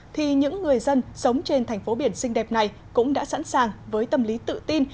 thì những người dân sống trên thành phố biển xinh đẹp này cũng đã sẵn sàng với tâm lý tự tin